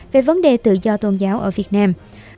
về vấn đề tự do tôn giáo ở việt nam